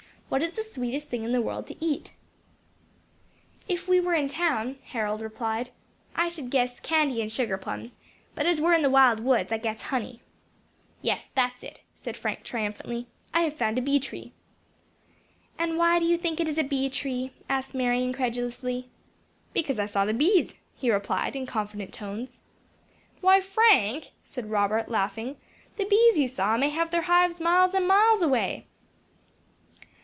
What is the sweetest thing in the world to eat?" "If we were in town," Harold replied, "I should guess candy and sugar plums; but, as we are in the wild woods, I guess honey." "Yes, that's it," said Frank, triumphantly; "I have found a bee tree." "And why do you think it is a bee tree?" asked Mary, incredulously. "Because I saw the bees," he replied, in confident tones. "Why, Frank," said Robert, laughing, "the bees you saw may have their hives miles and miles away."